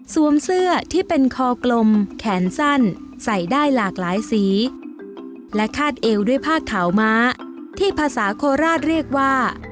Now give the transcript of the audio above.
เสื้อที่เป็นคอกลมแขนสั้นใส่ได้หลากหลายสีและคาดเอวด้วยผ้าขาวม้าที่ภาษาโคราชเรียกว่า